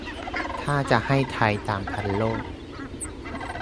ถ้าจะให้ไทยตามทันโลก